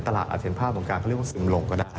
ตลาดอาทิตย์ภาพตรงกลางเขาเรียกว่าซึมลงก็ได้